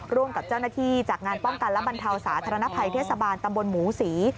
ร่วมกับเจ้าหน้าที่จากงานป้องกันและบรรเทาสาธารณภัยเทศบาลตำบลหมูศรี